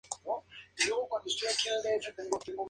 El film fue dirigido por Sam Wood.